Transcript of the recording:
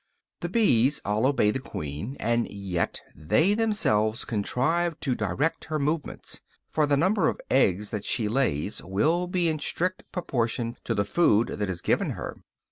The bees all obey the queen; and yet they themselves contrive to direct her movements; for the number of eggs that she lays will be in strict proportion to the food that is given her.